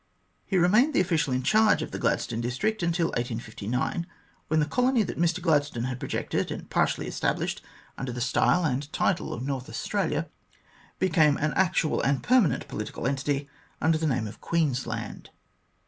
He remained in official charge of the Gladstone district until 1859, when the colony that Mr Gladstone had projected, and partially established under the style and title of North Australia, became an actual and permanent political entity under the name of Queensland.